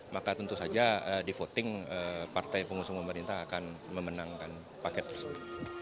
maka tentu saja di voting partai pengusung pemerintah akan memenangkan paket tersebut